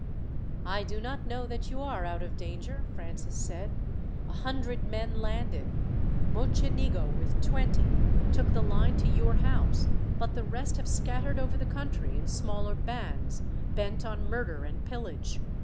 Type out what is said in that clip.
"I do not know that you are out of danger," Francis said. "A hundred men landed. Mocenigo, with twenty, took the line to your house, but the rest have scattered over the country in smaller bands, bent on murder and pillage.